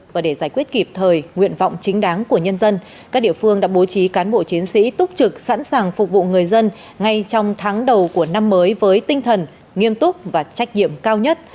và để giải quyết kịp thời nguyện vọng chính đáng của nhân dân các địa phương đã bố trí cán bộ chiến sĩ túc trực sẵn sàng phục vụ người dân ngay trong tháng đầu của năm mới với tinh thần nghiêm túc và trách nhiệm cao nhất